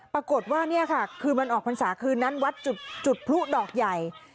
ปรากฏว่านี่ค่ะคืนวันออกพรรษาคืนนั้นวัดจุดพลุดอกใหญ่